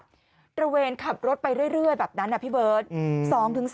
ทั้งคนขับตระเวนขับรถไปเรื่อยแบบนั้นพี่เบิร์ต